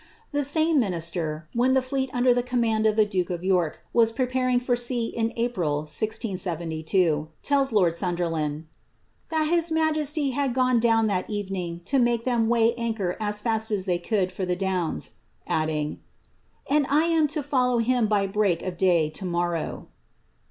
'' The same minister, when the fleet under the command of the duke of York was preparing for sea in April, 1672, tells lord Sunderland, *' that his majesty had gone down that evening to make them weigh anchor as fast as they could for the Downs," adding, ^ and I am to follow him by break of day to morrow."